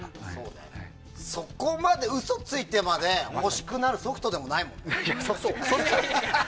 そこまで嘘ついてまで欲しくなるソフトではないもんね。